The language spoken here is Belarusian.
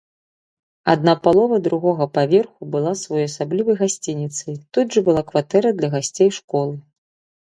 Адна палова другога паверху была своеасаблівай гасцініцай, тут жа была кватэра для гасцей школы.